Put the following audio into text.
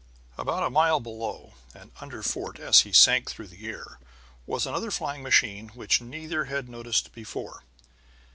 About a mile below, and under Fort as he sank through the air, was another flying machine which neither had noticed before.